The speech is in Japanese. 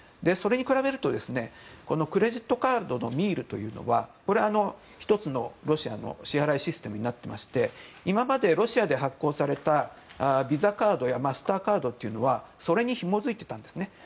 それに比べるとクレジットカードのミールというのは１つのロシアの支払いシステムになっていまして今までロシアで発行されたＶＩＳＡカードやマスターカードはそれにひもづいていたんですね。